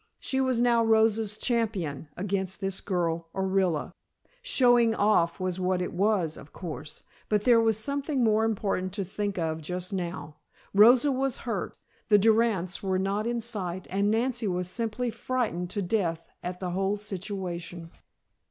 She was now Rosa's champion against this girl, Orilla. "Showing off," was what it all was, of course, but there was something more important to think of just now. Rosa was hurt, the Durands were not in sight and Nancy was simply frightened to death at the whole situation.